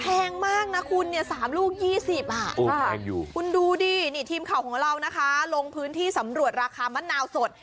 แพงมากนะคุณ๓ลูก๒๐บาทคุณดูดิทีมข่าวของเราลงพื้นที่สำรวจราคามะนาวสด